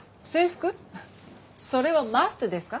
それはマストですか？